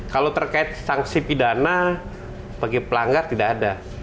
kalau terkait sanksi pidana bagi pelanggar tidak ada